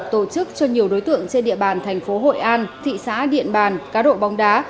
tổ chức cho nhiều đối tượng trên địa bàn thành phố hội an thị xã điện bàn cá độ bóng đá